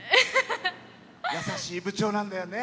優しい部長なんだよね。